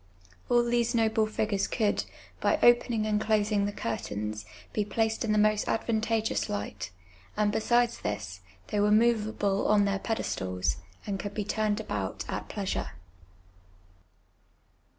All these noble figures could, by opening and closing the curtains, be placed in the most advantageous light, and besides this, they ■were moveable on theii* pedestals, and could be turned about at j)leasure.